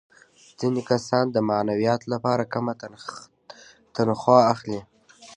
ځینې کسان د معنویاتو لپاره کمه تنخوا اخلي